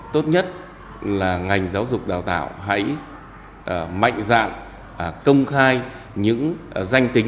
tốt nhất là ngành giáo dục đào tạo hãy mạnh dạn công khai những danh tính